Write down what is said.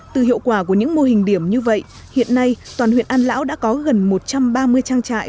từ hiệu quả của những mô hình điểm như vậy hiện nay toàn huyện an lão đã có gần một trăm ba mươi trang trại